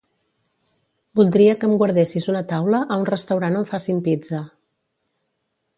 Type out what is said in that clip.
Voldria que em guardessis una taula a un restaurant on facin pizza.